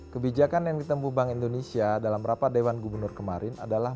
kebijakan yang ditempuh bank indonesia dalam rapat dewan gubernur kemarin adalah